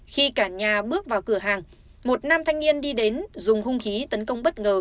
khi cả nhà bước vào cửa hàng một nam thanh niên đi đến dùng hung khí tấn công bất ngờ